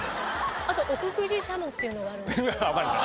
あと奥久慈しゃもっていうのがあるんですけど。